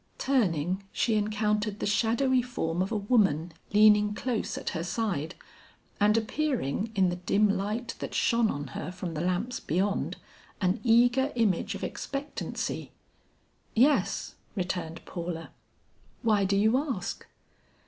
Turning, she encountered the shadowy form of a woman leaning close at her side and appearing in the dim light that shone on her from the lamps beyond, an eager image of expectancy. "Yes," returned Paula, "why do you ask?"